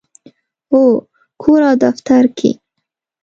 هو، کور او دفتر کې